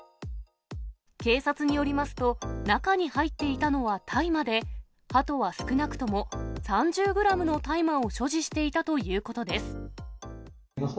警察によりますと、中に入っていたのは大麻で、ハトは少なくとも３０グラムの大麻を所持していたということです。